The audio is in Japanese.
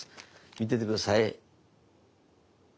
見てて下さい。